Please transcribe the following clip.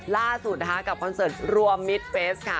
ล่าสุดนะคะกับคอนเสิร์ตรวมมิตรเฟสค่ะ